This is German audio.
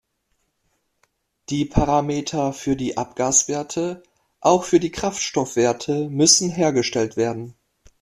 Die Parameter für die Abgaswerte, auch für die Kraftstoffwerte, müssen hergestellt werden.